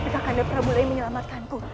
kakanda prabu yang menyelamatkanku